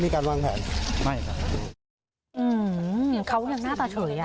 เขาเรียกหน้าตาเฉย